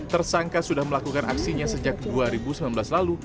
tersangka sudah melakukan aksinya sejak dua ribu sembilan belas lalu